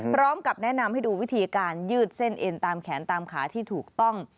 พร้อมกับแนะนำให้ดูวิธีการยืดเส้นเอ็นตามแขนตามขาที่ถูกต้อง